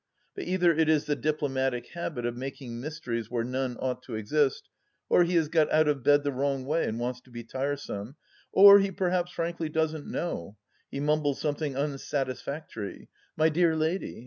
But either it is the diplomatic habit of making mysteries where none ought to exist, or he has got out of bed the wrong way and wants to be tiresome, or he perhaps frankly doesn't know ; he mumbles something unsatisfactory :" My dear lady